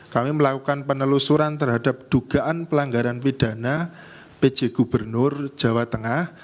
kami melakukan penelusuran terhadap dugaan pelanggaran pidana pj gubernur jawa tengah